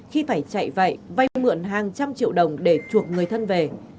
khi phải chạy vậy vay mượn hàng trăm triệu đồng để chuộc người thân về